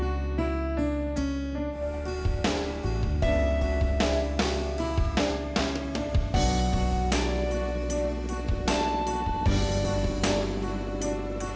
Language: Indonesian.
aku cuma mau ngomong gitu aja kok